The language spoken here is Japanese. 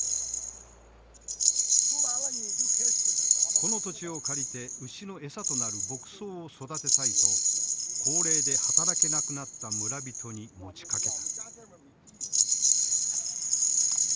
この土地を借りて牛の餌となる牧草を育てたいと高齢で働けなくなった村人に持ちかけた。